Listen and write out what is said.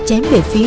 chém về phía